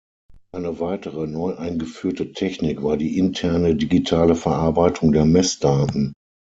Eine weitere, neu eingeführte Technik war die interne digitale Verarbeitung der Messdaten.